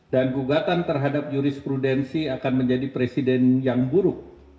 dan gugatan terhadap jurisprudensi akan menjadi presiden yang buruk